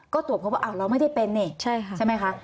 ก็ตรวจพบว่าเราไม่ได้เป็นนี่ใช่ไหมคะ